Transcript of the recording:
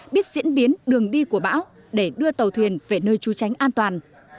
biết diễn biến đường đi của bão để đưa tàu thuyền về nơi trú tránh an toàn